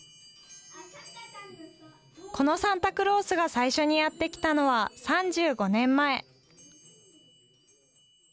このサンタクロースが最初にやって来たのは３５年前。